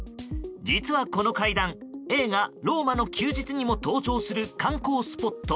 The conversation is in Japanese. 実はこの階段、映画「ローマの休日」にも登場する観光スポット